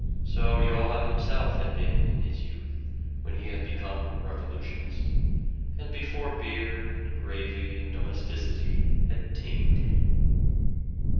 So Johann himself had been in his youth, when he had become a revolutionist, and before beer and gravy and domesticity had tamed him.